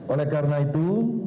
oleh karena itu